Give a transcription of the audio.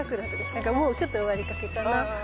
なんかもうちょっと終わりかけかな。